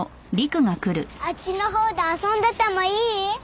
あっちのほうで遊んでてもいい？